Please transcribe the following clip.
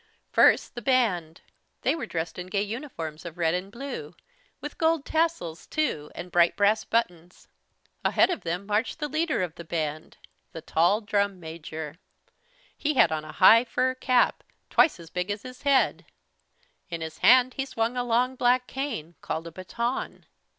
First the band. They were dressed in gay uniforms of red and blue, with gold tassels too, and bright brass buttons. Ahead of them marched the leader of the band the tall Drum Major. He had on a high fur cap, twice as big as his head. In his hand he swung a long black cane, called a "baton."